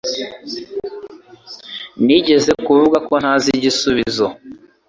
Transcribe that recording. Nigeze kuvuga ko ntazi igisubizo